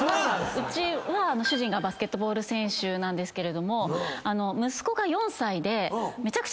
うちは主人がバスケットボール選手なんですけれども。